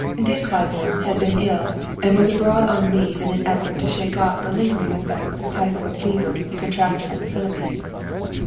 Dick Claiborne had been ill, and was abroad on leave in an effort to shake off the lingering effects of typhoid fever contracted in the Philippines.